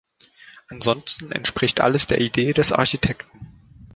Ansonsten entspricht alles der Idee des Architekten.